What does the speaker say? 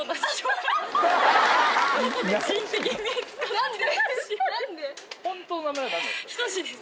何で？